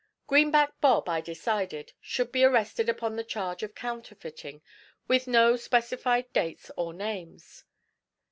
Greenback Bob, I decided, should be arrested upon the charge of counterfeiting, with no specified dates or names.